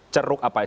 ceruk apa ya